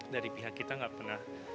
dari pihak kita nggak pernah